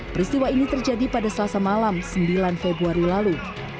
peristiwa ini terjadi pada selasa malam sembilan februari lalu